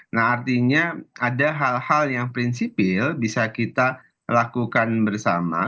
nah artinya ada hal hal yang prinsipil bisa kita lakukan bersama